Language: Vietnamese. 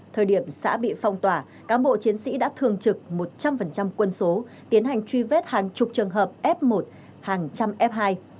thời điểm xã bị phong tỏa cán bộ chiến sĩ đã thường trực một trăm linh quân số tiến hành truy vết hàng chục trường hợp f một hàng trăm f hai